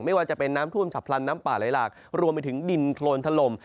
ไม่ว่าจะเป็นน้ำท่วมฉับพลันน้ำป่าไหลหลากรวมไปถึงดินโครนถล่ม